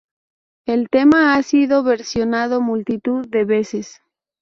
El tema ha sido versionado multitud de veces.